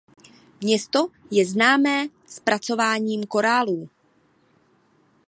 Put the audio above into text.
Město je známé zpracováním korálů.